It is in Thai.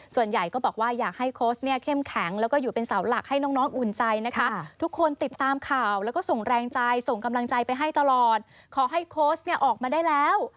ส่วนใหญ่ก็บอกว่าอยากให้โค้ชเนี่ยเข้มแข็งแล้วก็อยู่เป็นเสาหลักให้น้องอุ่นใจนะคะทุกคนติดตามข่าวแล้วก็ส่งแรงใจส่งกำลังใจไปให้ตลอดขอให้โค้ชเนี่ยออกมาได้แล้ว